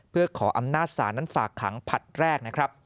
เพื่อขออำนาจสารนั้นฝากคังผลัดแรก